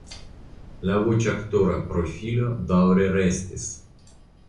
La voĉaktora profilo daŭre restis.